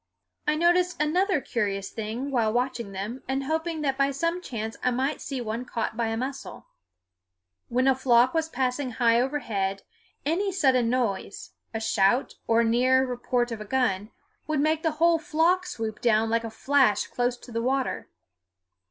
I noticed another curious thing while watching them and hoping that by some chance I might see one caught by a mussel. When a flock was passing high overhead, any sudden noise a shout, or the near report of a gun would make the whole flock swoop down like a flash close to the water.